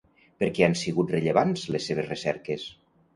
Per què han sigut rellevants les seves recerques?